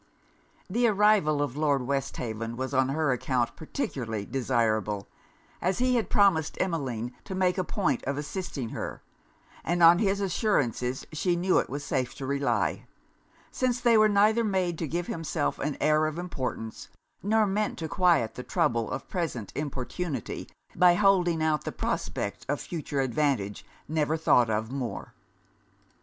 The arrival of Lord Westhaven was on her account particularly desirable, as he had promised Emmeline to make a point of assisting her; and on his assurances she knew it was safe to rely, since they were neither made to give himself an air of importance, nor meant to quiet the trouble of present importunity, by holding out the prospect of future advantage never thought of more.